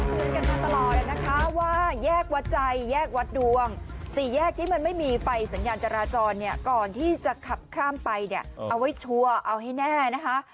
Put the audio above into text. เตือนกันมาตลอดนะคะว่าแยกวัดใจแยกวัดดวงสี่แยกที่มันไม่มีไฟสัญญาณจราจรเนี่ยก่อนที่จะขับข้ามไปเนี่ยเอาไว้ชัวร์เอาให้แน่นะคะ